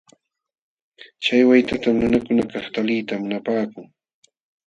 Chay waytatam nunakunakaq taliyta munapaakun.